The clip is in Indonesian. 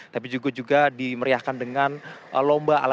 tapi juga juga dimeriahkan dengan lomba ala tujuh belas an